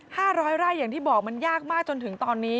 ห้าร้อยไร่อย่างที่บอกมันยากมากจนถึงตอนนี้